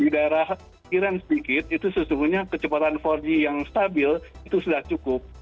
di daerah iran sedikit itu sesungguhnya kecepatan empat g yang stabil itu sudah cukup